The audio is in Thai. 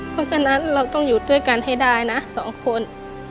เพราะฉะนั้นเราต้องอยู่ด้วยกันให้ได้นะสองคน